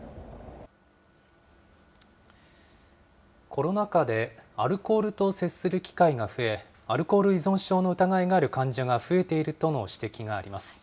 コロナ禍でアルコールと接する機会が増え、アルコール依存症の疑いがある患者が増えているとの指摘がありま